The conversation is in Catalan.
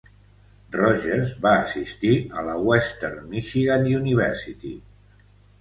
Rogers va assistir a la Western Michigan University.